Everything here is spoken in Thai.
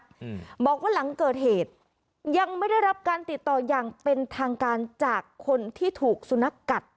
อืมบอกว่าหลังเกิดเหตุยังไม่ได้รับการติดต่ออย่างเป็นทางการจากคนที่ถูกสุนัขกัด